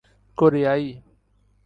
کوریائی